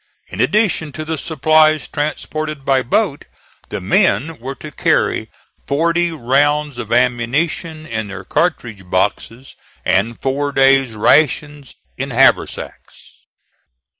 In addition to the supplies transported by boat, the men were to carry forty rounds of ammunition in their cartridge boxes, and four days' rations in haversacks.